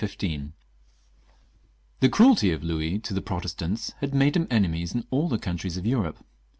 1643 1715. The cruelty of Louis to the Protestants had made him enemies in all the countries of Europe.